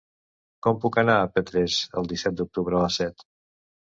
Com puc anar a Petrés el disset d'octubre a les set?